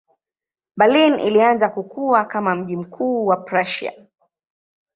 Berlin ilianza kukua kama mji mkuu wa Prussia.